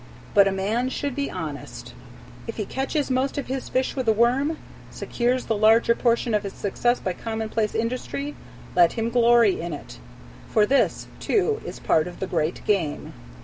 But a man should be honest. If he catches most of his fish with a worm, secures the larger portion of his success by commonplace industry, let him glory in it, for this, too, is part of the great game.